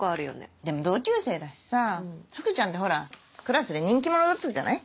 でも同級生だしさ福ちゃんってクラスで人気者だったじゃない。